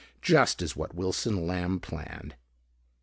Just as what Wilson Lamb planned.